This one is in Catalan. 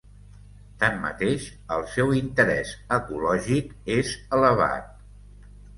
Tanmateix, el seu interès ecològic és elevat.